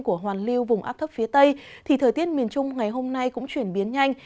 của hoàn lưu vùng áp thấp phía tây thì thời tiết miền trung ngày hôm nay cũng chuyển biến nhanh